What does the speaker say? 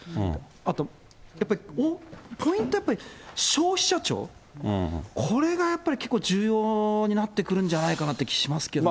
あと、やっぱりポイントはやっぱり、消費者庁、これがやっぱり、結構重要になってくるんじゃないかなって気しますけどね。